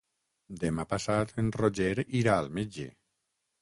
Demà passat en Roger irà al metge.